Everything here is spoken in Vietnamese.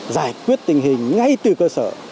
giải quyết tình hình ngay từ cơ sở